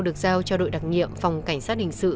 được giao cho đội đặc nhiệm phòng cảnh sát hình sự